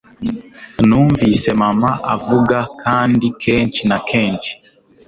numvise mama avuga, kandi kenshi na kenshi